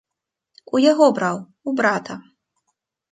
У яго браў, у брата.